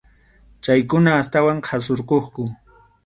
Chaykuna astawan qhasurquqku.